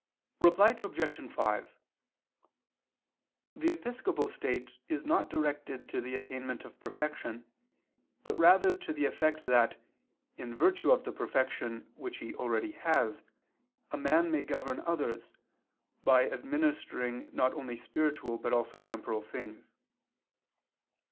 Reply Obj. 5: The episcopal state is not directed to the attainment of perfection, but rather to the effect that, in virtue of the perfection which he already has, a man may govern others, by administering not only spiritual but also temporal things.